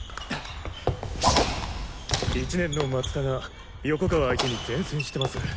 １年の松田が横川相手に善戦してます。